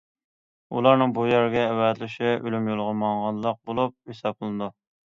ئۇلارنىڭ بۇ يەرگە ئەۋەتىلىشى ئۆلۈم يولىغا ماڭغانلىق بولۇپ ھېسابلىنىدۇ.